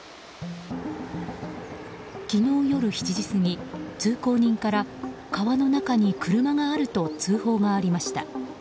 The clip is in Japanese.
昨日夜７時過ぎ、通行人から川の中に車があると通報がありました。